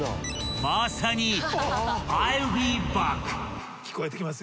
［まさに］